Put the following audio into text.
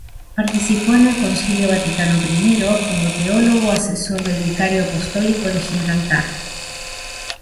Participó en el Concilio Vaticano I como teólogo asesor del vicario apostólico de Gibraltar.